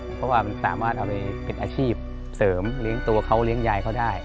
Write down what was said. เพราะว่ามันสามารถเอาไปเป็นอาชีพเสริมเลี้ยงตัวเขาเลี้ยงยายเขาได้